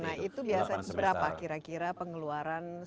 nah itu biasanya berapa kira kira pengeluaran yang harus